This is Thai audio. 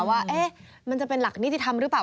ว่ามันจะเป็นหลักนิติธรรมหรือเปล่า